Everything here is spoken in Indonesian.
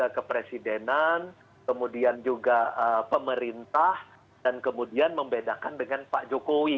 kepresidenan kemudian juga pemerintah dan kemudian membedakan dengan pak jokowi